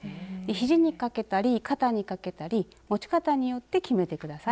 ひじにかけたり肩にかけたり持ち方によって決めて下さい。